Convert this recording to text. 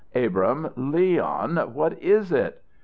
"Abrahm Leon what is it?"